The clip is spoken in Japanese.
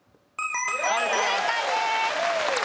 正解です。